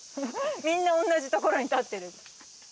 みんなおんなじところに立ってる。